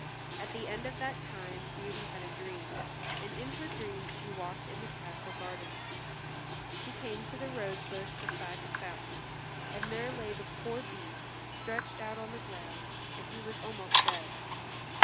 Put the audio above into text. At the end of that time Beauty had a dream, and in her dream she walked in the castle gardens. She came to the rose bush beside the fountain, and there lay the poor Beast stretched out on the ground, and he was almost dead.